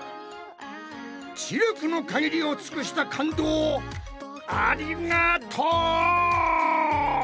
知力のかぎりを尽くした感動をありがとう！